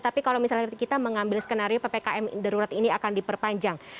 tapi kalau misalnya kita mengambil skenario ppkm darurat ini akan diperpanjang